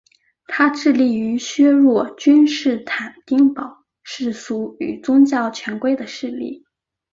他致力于削弱君士坦丁堡世俗与宗教权贵的势力。